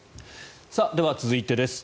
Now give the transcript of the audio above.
では、続いてです。